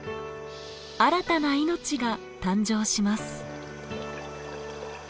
新たな命が誕生します。